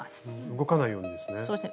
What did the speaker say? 動かないようにですね。